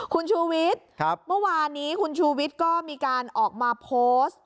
คุณชูวิทย์เมื่อวานนี้คุณชูวิทย์ก็มีการออกมาโพสต์